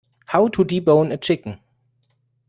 How to debone a chicken.